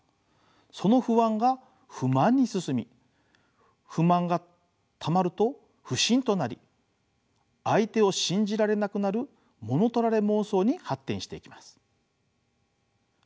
その不安が不満に進み不満がたまると不信となり相手を信じられなくなるものとられ妄想に発展していきます。